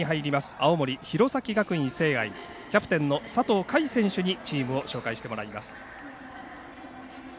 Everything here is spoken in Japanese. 青森、弘前学院聖愛キャプテンの佐藤海選手にチームを紹介してもらいます。